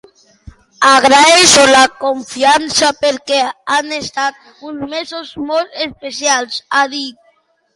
“Agraeixo la confiança, perquè han estat uns mesos molt especials”, ha dit.